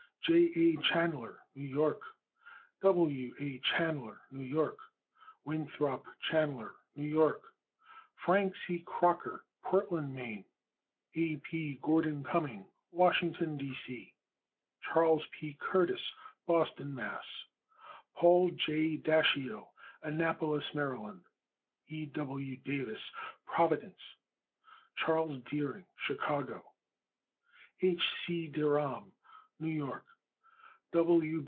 J. A. Chanler, New York. W. A. Chanler, New York. Winthrop Chanler, New York. Frank C. Crocker, Portland, Me. A. P. Gordon Cumming, Washington. D. C. Chas. P. Curtiss, Boston, Mass. Paul J. Dashiell, Annapolis, Md. E. W. Davis, Providence, R. I. Chas. Deering, Chicago, Ill. H. C. de Rham, New York.